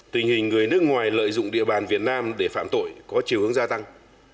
tình hình người nước ngoài lợi dụng địa bàn việt nam để phạm tội có chiều hướng gia tăng